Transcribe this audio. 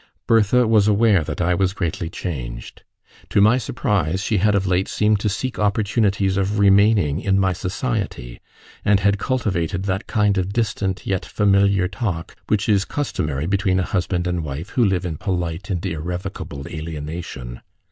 Bertha was aware that I was greatly changed. To my surprise she had of late seemed to seek opportunities of remaining in my society, and had cultivated that kind of distant yet familiar talk which is customary between a husband and wife who live in polite and irrevocable alienation.